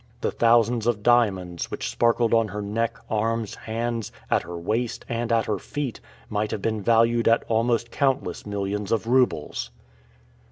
The thousands of diamonds which sparkled on her neck, arms, hands, at her waist, and at her feet might have been valued at almost countless millions of roubles.